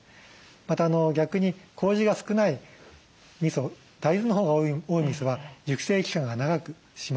また逆にこうじが少ないみそ大豆のほうが多いみそは熟成期間が長くします。